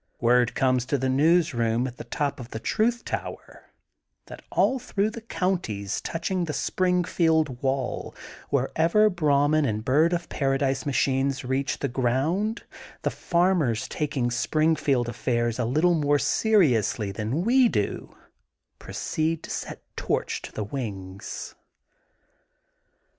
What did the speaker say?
Word comes to the news room at the top of the Truth Tower that all through the counties touching the Springfield wall, wherever Brahmin and Bird of Paradise ma chines reach the ground, the farmers taking Springfield affairs a little more seriously than we do, proceed to set torch to the wings.